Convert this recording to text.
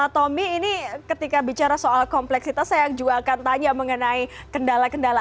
tommy ini ketika bicara soal kompleksitas saya juga akan tanya mengenai kendala kendala